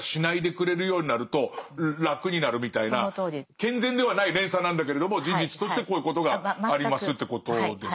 健全ではない連鎖なんだけれども事実としてこういうことがありますっていうことです。